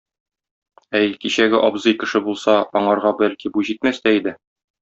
Әй, кичәге абзый кеше булса, аңарга бәлки бу җитмәс тә иде.